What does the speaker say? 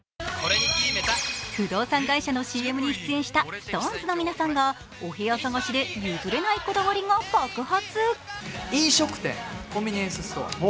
不動産会社のＣＭに出演したＳｉｘＴＯＮＥＳの皆さんがお部屋探しで譲れないこだわりが爆発。